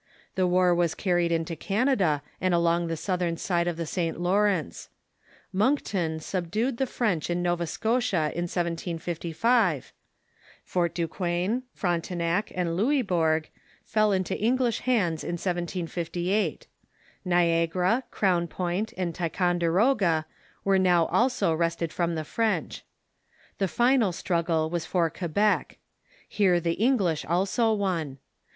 The war was carried into Canada and along the southern side of the St. Lawrence. Monckton subdued the French in Xova Scotia in 1755. Fort Duquesne, Frontenac, and Louisbourg fell into English hands in 1758. Niagara, Crown Point, and Ticonderoga were now also wrested from the French. The final struggle was for Quebec. Here the English also won.